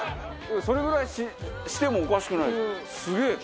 それぐらいしてもおかしくないですよ。